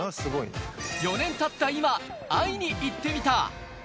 ４年たった今、会いに行ってみた。